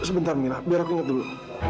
sebentar mila biar aku nget dulu